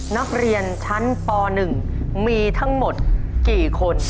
นักเรียนชั้นป๑มีทั้งหมดกี่คน